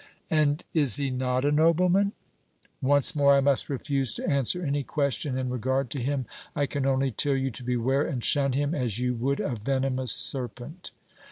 "And is he not a nobleman?" "Once more I must refuse to answer any question in regard to him. I can only tell you to beware and shun him as you would a venomous serpent."